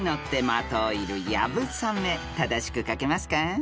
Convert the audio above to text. ［正しく書けますか？］